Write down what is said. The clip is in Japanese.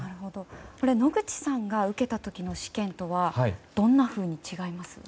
これ野口さんが受けた時の試験とはどんなふうに違いますか？